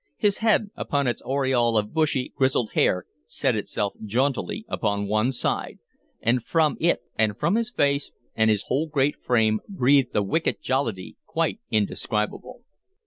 His head with its aureole of bushy, grizzled hair set itself jauntily upon one side, and from it and from his face and his whole great frame breathed a wicked jollity quite indescribable.